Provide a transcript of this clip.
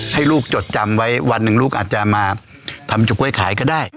ให้ลูกจดจำไว้วันหนึ่งลูกอาจจะมาทำเฉาก๊วยขายก็ได้